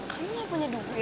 kamu gak punya duit